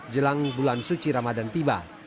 jelang bulan suci ramadan tiba